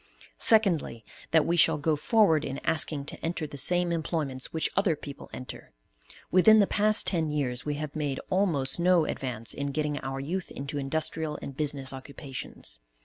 Secondly, that we shall go forward in asking to enter the same employments which other people enter. Within the past ten years we have made almost no advance in getting our youth into industrial and business occupations.